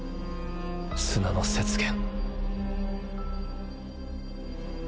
砂の雪原。